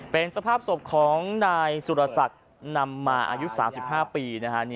เป็นสภาพศพของนายสุรศักดิ์นำมาอายุ๓๕ปีนะฮะ